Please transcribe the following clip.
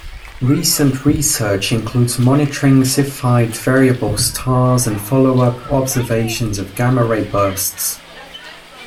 Recent research includes monitoring Cepheid variable stars and follow-up observation of gamma-ray bursts.